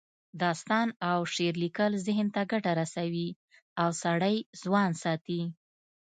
داستان او شعر لیکل ذهن ته ګټه رسوي او سړی ځوان ساتي